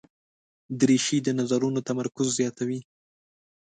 دریشي د نظرونو تمرکز زیاتوي.